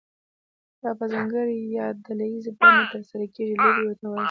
دا په ځانګړې یا ډله ییزه بڼه ترسره کیږي لوبې ورته وایي.